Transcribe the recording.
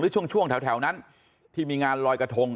ช่วงแถวนั้นที่มีงานลอยกระทง